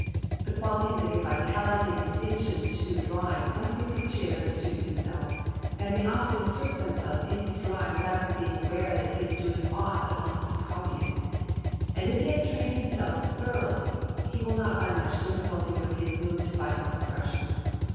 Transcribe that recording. The qualities that give vitality and distinction to drawing must be appreciated by the student himself, and may often assert themselves in his drawing without his being aware that he is doing aught but honestly copying. And if he has trained himself thoroughly he will not find much difficulty when he is moved to vital expression.